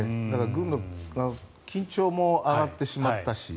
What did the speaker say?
軍の緊張も上がってしまったし。